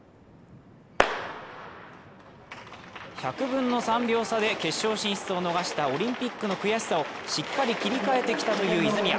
１００分の３秒差で決勝進出を逃したオリンピックの悔しさをしっかり切り替えてきたという泉谷。